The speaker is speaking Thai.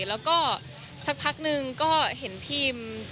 แล้วสักพักหนึ่งเห็นพี่อิ้ม